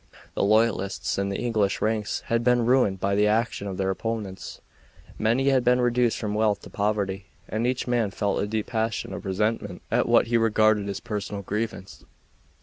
The loyalists in the English ranks had been ruined by the action of their opponents many had been reduced from wealth to poverty, and each man felt a deep passion of resentment at what he regarded his personal grievance.